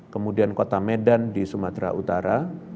kemudian kota medan di sumatera utara